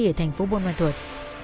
ở thành phố bôn hoa thuột